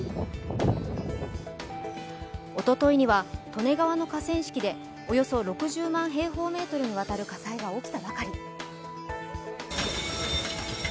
おとといには、利根川の河川敷でおよそ６０万平方メートルにわたる火災が起きたばかり。